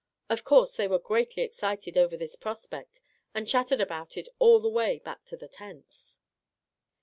Of course they were greatly excited over this prospect, and chattered about it all the way back to the tents.